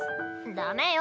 ダメよ。